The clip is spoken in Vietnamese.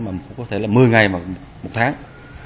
mà có thể là một mươi ngày mà một tháng